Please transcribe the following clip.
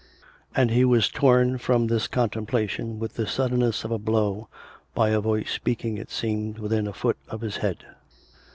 And he was torn from this contemplation with the suddenness of a blow, by a voice speaking, it seemed, within a foot of his head.